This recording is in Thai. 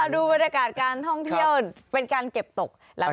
ดูบรรยากาศการท่องเที่ยวเป็นการเก็บตก